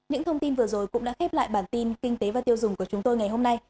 những thông tin vừa rồi cũng đã khép lại bản tin kinh tế và tiêu dùng của chúng tôi ngày hôm nay